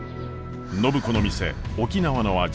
暢子の店沖縄の味